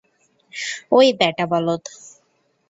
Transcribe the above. ওই ব্যাটা বলদ!